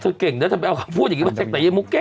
เจ้าเก่งก็จะไปเอาความพูดอย่างงี้แบบเจ้าจริงบ่เนี้ยมุก